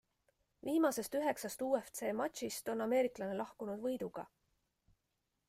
Viimasest üheksast UFC matšist on ameeriklane lahkunud võiduga.